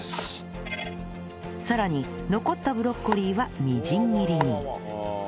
さらに残ったブロッコリーはみじん切りに